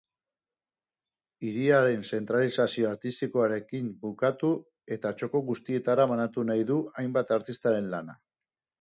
Hiriaren zentralizazio artistikoarekin bukatu eta txoko guztietara banatu nahi du hainbat artistaren lana.